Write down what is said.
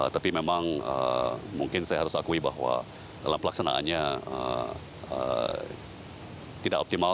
tapi memang mungkin saya harus akui bahwa dalam pelaksanaannya tidak optimal